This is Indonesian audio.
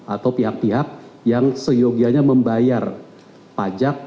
atau pihak pihak yang seyogianya membayar pajak